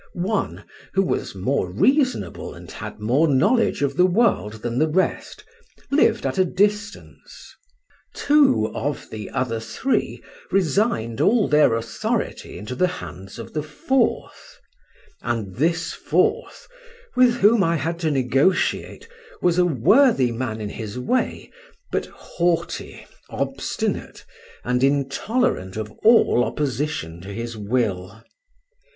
One, who was more reasonable and had more knowledge of the world than the rest, lived at a distance; two of the other three resigned all their authority into the hands of the fourth; and this fourth, with whom I had to negotiate, was a worthy man in his way, but haughty, obstinate, and intolerant of all opposition to his will.